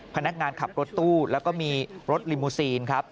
พนักงานขับรถตู้แล้วก็มีรถลิมูซีนครับ